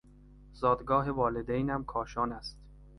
زادگاه والدینم کاشان است.